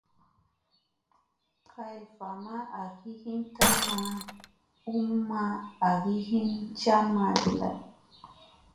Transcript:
Kay va ma agi hin tamma u ma gi hin camma ɗi lay.